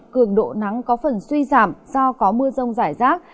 cường độ nắng có phần suy giảm do có mưa rông rải rác